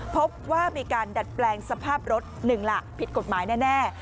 พบว่ามีการดัดแปลงสภาพรถหนึ่งล่ะผิดกฎหมายแน่